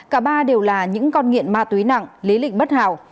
cả ba đều là những con nghiện ma túy nặng lý lịnh bất hảo